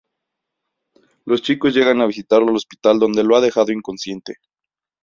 Los chicos llegan a visitarlo al hospital donde lo ha dejado inconsciente.